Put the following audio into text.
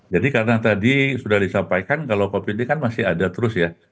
jadi karena tadi sudah disampaikan kalau covid ini kan masih ada terus ya